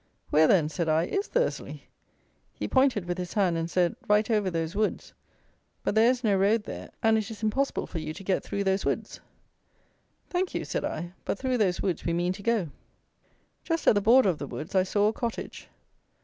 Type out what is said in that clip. "Where then," said I, "is Thursley?" He pointed with his hand, and said, "Right over those woods; but there is no road there, and it is impossible for you to get through those woods." "Thank you," said I; "but through those woods we mean to go." Just at the border of the woods I saw a cottage.